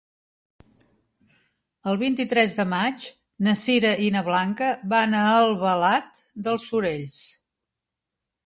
El vint-i-tres de maig na Sira i na Blanca van a Albalat dels Sorells.